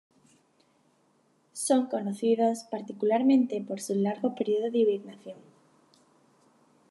Son conocidos particularmente por sus largos periodos de hibernación.